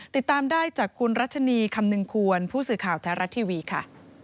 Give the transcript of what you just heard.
ติดตามได้จากคุณรัชนีคำนึงควรผู้สื่อข่าวแท้รัฐทีวีค่ะ